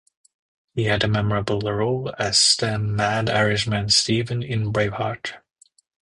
He had a memorable role as the 'mad' Irishman Stephen in "Braveheart".